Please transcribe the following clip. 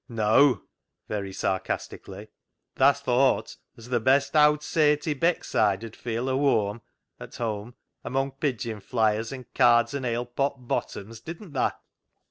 Neaw " (very sarcastically) ;" tha thowt 'as th' best owd saint i' Beckside 'ud feel a whoam (at home) among pigeon fliers an' cards an' ale pot bottoms, didn't tha ?